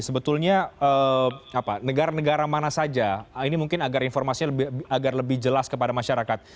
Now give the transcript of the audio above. sebetulnya negara negara mana saja ini mungkin agar informasinya agar lebih jelas kepada masyarakat